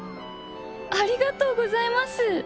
ありがとうございます。